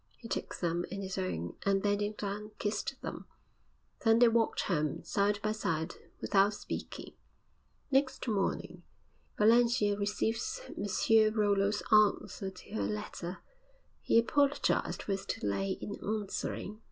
He took them in his own, and, bending down, kissed them. Then they walked home, side by side, without speaking. V Next morning Valentia received M. Rollo's answer to her letter. He apologised for his delay in answering.